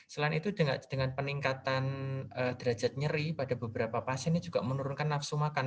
selain itu dengan peningkatan derajat nyeri pada beberapa pasien ini juga menurunkan nafsu makan